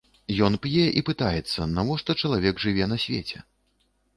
Ён п'е і пытаецца, навошта чалавек жыве на свеце.